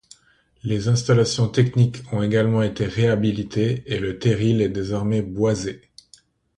Les installations techniques ont également été réhabilitées, et le terril est désormais boisé.